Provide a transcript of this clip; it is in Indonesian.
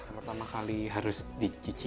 pertama kali harus dicicipi